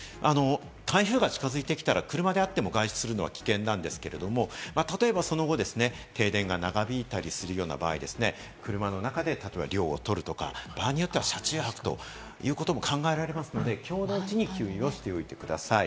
台風が近づいてきたら、車であっても外出するのは危険なんですけれど、例えばその後、停電が長引いたりする場合、車の中で例えば涼を取るとか、場合によっては車中泊ということも考えられますので、きょうのうちに給油をしておいてください。